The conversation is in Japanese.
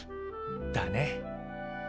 だね。